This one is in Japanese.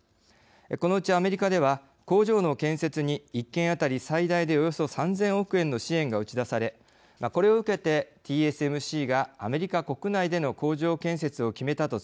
このうちアメリカでは工場の建設に１件当たり最大でおよそ３，０００億円の支援が打ち出されこれを受けてＴＳＭＣがアメリカ国内での工場建設を決めたと伝えられています。